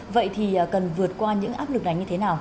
vậy thì cần vượt qua những áp lực này như thế nào